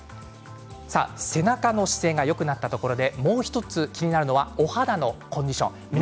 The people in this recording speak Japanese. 背中の姿勢がよくなったところでもう１つ気になるのはお肌のコンディション。